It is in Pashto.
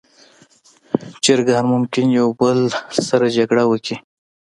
چرګان ممکن یو بل سره جګړه وکړي.